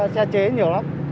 xe chế nhiều lắm